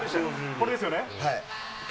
これですよね。